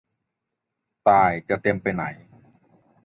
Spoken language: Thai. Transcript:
ตาย จะเต็มไปไหน